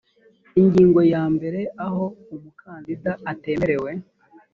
ingingo yambere aho umukandida atemerewe